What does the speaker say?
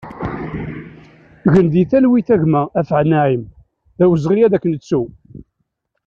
Gen di talwit a gma Afâa Naïm, d awezɣi ad k-nettu!